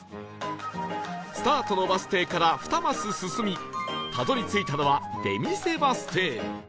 スタートのバス停から２マス進みたどり着いたのは出見世バス停